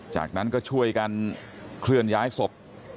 จากนั้นก็ช่วยกันเคลื่อนย้ายศพ